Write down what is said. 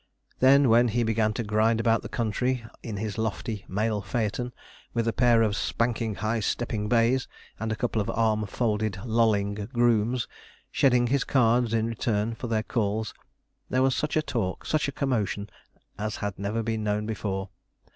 Then, when he began to grind about the country in his lofty mail phaeton, with a pair of spanking, high stepping bays, and a couple of arm folded, lolling grooms, shedding his cards in return for their calls, there was such a talk, such a commotion, as had never been known before.